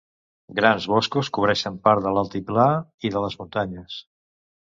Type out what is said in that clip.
Grans boscos cobreixen part de l'altiplà i de les muntanyes.